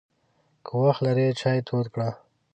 که وخت لرې، چای تود کړه!